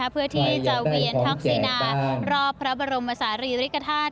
เพื่อที่จะเวียนทรักษณ์สินารอบพระบรมศาสน์หรือริจกฏฐาน